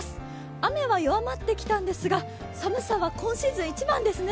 雨は弱まってきたんですが寒さは今シーズン一番ですね。